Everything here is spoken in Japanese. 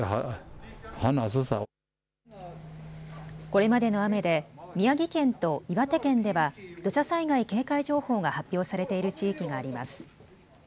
これまでの雨で宮城県と岩手県では土砂災害警戒情報が発表されている地域があります。